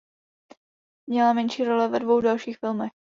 Měla menší role ve dvou dalších filmech.